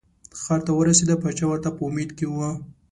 ښار ته ورسېده پاچا ورته په امید کې و.